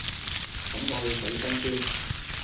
噉我去洗身先